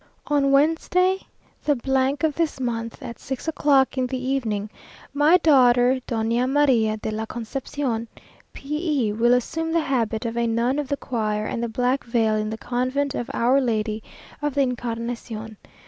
"On Wednesday, the of this month, at six o'clock in the evening, my daughter, Doña María de la Conception, P e , will assume the habit of a nun of the choir and the black veil in the Convent of Our Lady of the Incarnation.